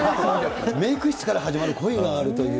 メーク室から始まる恋もあるという。